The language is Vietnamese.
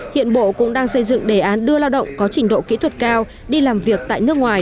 hiện bộ cũng đang xây dựng đề án đưa lao động có trình độ kỹ thuật cao đi làm việc tại nước ngoài